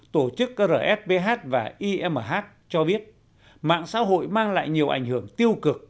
tổ chức rsbh và imh cho biết mạng xã hội mang lại nhiều ảnh hưởng tiêu cực